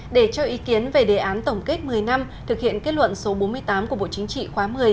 để cho ý kiến về đề án tổng kết một mươi năm thực hiện kết luận số bốn mươi tám của bộ chính trị khóa một mươi